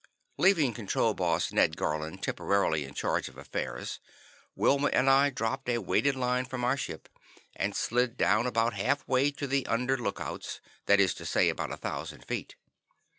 Leaving Control Boss Ned Garlin temporarily in charge of affairs, Wilma and I dropped a weighted line from our ship, and slid down about half way to the under lookouts, that is to say, about a thousand feet.